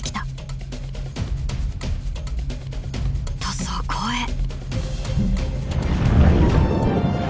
とそこへ。